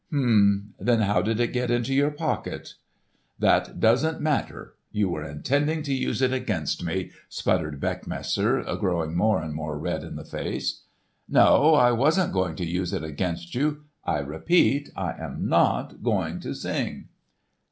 "Hum. Then how did it get into your pocket?" "That doesn't matter. You were intending to use it against me," sputtered Beckmesser, growing more and more red in the face. "No, I wasn't going to use it against you. I repeat, I am not going to sing."